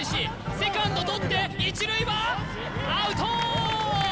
セカンド捕って１塁はアウト！